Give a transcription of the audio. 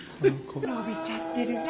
のびちゃってる。